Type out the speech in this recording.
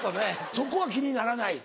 そこは気にならない？